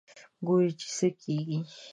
ګورو چې څه کېږي.